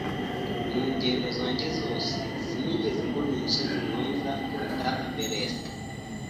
Mu ngendo zanjye zose, sinigeze mbona umusozi mwiza kuruta umusozi wa Everest.